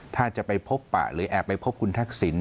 ถ้าจะไปพบปะหรือแอบไปพบคุณทักษิณ